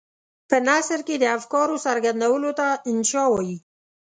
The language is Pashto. په نثر کې د افکارو څرګندولو ته انشأ وايي.